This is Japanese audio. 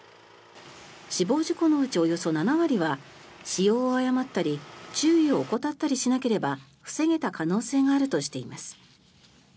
死亡事故のうちおよそ７割は使用を誤ったり注意を怠ったりしなければ防げた可能性があるとしています。